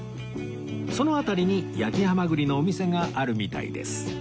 その辺りに焼きハマグリのお店があるみたいです